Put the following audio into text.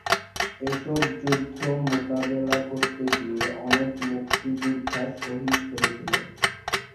এসব যুদ্ধ মোকাবেলা করতে গিয়ে অনেক মুক্তিযোদ্ধা শহীদ হয়েছিলেন।